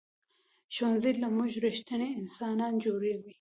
ښوونځی له موږ ریښتیني انسانان جوړوي